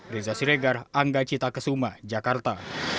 reza siregar angga cita kesuma jakarta